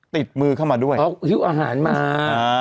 ติดมือเข้ามาด้วยเขาหิ้วอาหารมา